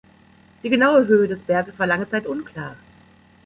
Die genaue Höhe des Berges war lange Zeit unklar.